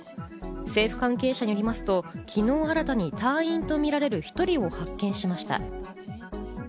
政府関係者によりますと昨日、新たに隊員と見られる１人を発見しました。